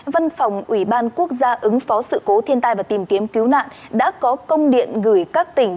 văn phòng ủy ban quốc gia ứng phó sự cố thiên tai và tìm kiếm cứu nạn đã có công điện gửi các tỉnh